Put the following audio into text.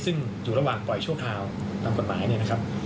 ซึ่งอยู่ระหว่างปล่อยชั่วคราวตามกฎหมายเนี่ยนะครับ